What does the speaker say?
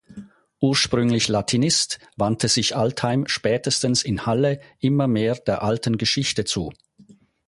Ursprünglich Latinist, wandte sich Altheim spätestens in Halle immer mehr der Alten Geschichte zu.